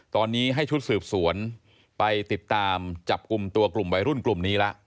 ตอนนี้ให้ชุดสืบสวนไปติดตามจับกลุ่มตัวกลุ่มวัยรุ่นกลุ่มนี้ละ